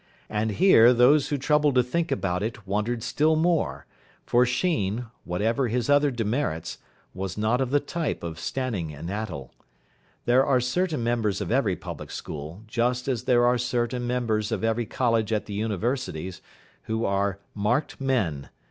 And here those who troubled to think about it wondered still more, for Sheen, whatever his other demerits, was not of the type of Stanning and Attell. There are certain members of every public school, just as there are certain members of every college at the universities, who are "marked men".